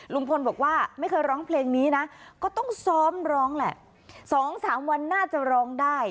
ลุงพลบอกว่าไม่เคยร้องเพลงนี้นะก็ต้องซ้อมร้องแหละ๒๓วันน่าจะร้องได้